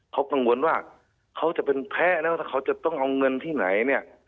เขากังวลว่าเขาจะเป็นแพ้แล้วถ้าเขาจะต้องเอาเงินที่ไหนเนี่ย